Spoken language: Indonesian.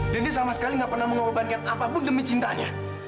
dan dia sama sekali nggak pernah mengorbankan apapun demi cintanya